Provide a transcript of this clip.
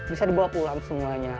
bisa dibawa pulang semuanya